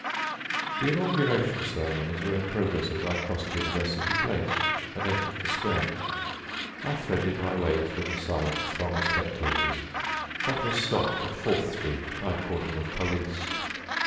The inauguration ceremonies were in progress as I crossed University Place and entered the square. I threaded my way through the silent throng of spectators, but was stopped at Fourth Street by a cordon of police.